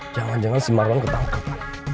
jangan jangan si marwan ketangkep